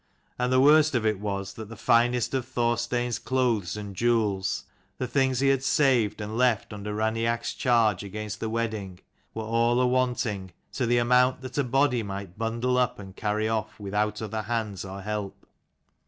And the worst of it was that the finest of Thorstein's clothes and jewels, the things he had saved and left under Raineach's charge against the wedding, were all awanting, to the amount that a body might bundle up and carry off without other hands or help.